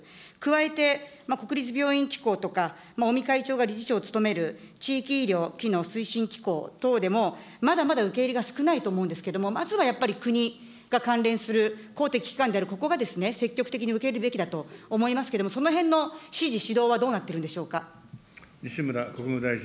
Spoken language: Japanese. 加えて、国立病院機構とか、尾身会長が理事長を務める地域医療機能推進機構等でも、まだまだ受け入れが少ないと思うんですけれども、まずはやっぱり国が関連する公的機関であるここが積極的に受け入れるべきだと思いますけれども、そのへんの指示、指導はどうなっているんでしょうか。